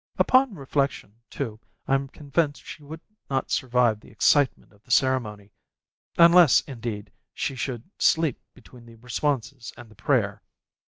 Upon reflection, too, I'm convinced she would not survive the excitement of the ceremony unless, indeed, she should sleep between the responses and the prayer.